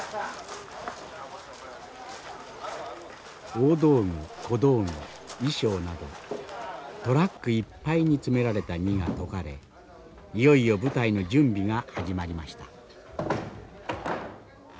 大道具小道具衣装などトラックいっぱいに詰められた荷が解かれいよいよ舞台の準備が始まりました。